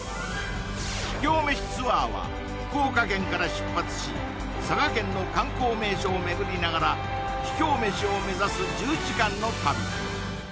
秘境飯ツアーは福岡県から出発し佐賀県の観光名所を巡りながら秘境飯を目指す１０時間の旅